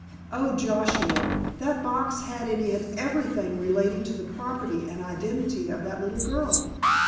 Oh, Joshua, that box had in it everything relating to the property and identity of that little girl!"